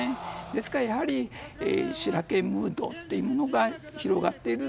ですからやはり、白けムードというのが広がっている。